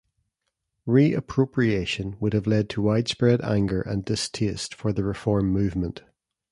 Re-appropriation would have led to widespread anger and distaste for the reform movement.